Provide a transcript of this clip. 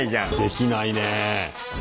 できないね。